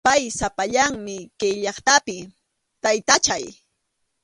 Pay sapallanmi kay llaqtapi, taytachay.